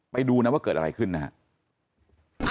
ไปดูนะว่าเกิดอะไรขึ้นนะครับ